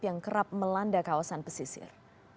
yang kerap melanda kawasan pesisir